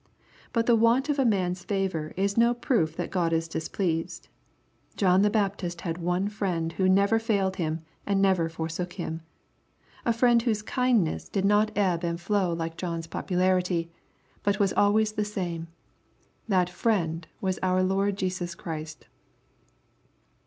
But the want of man's fai'or is no proof that God is displeased. John the Baptist had one Friend who never failed him and never forsook him, — a Friend whose kindness did not 222 EXPOSITOBY THOnOHTS. ebb and flow b'ke John's popularity, but was always the same. That Friend was our Lord Jesus Christ.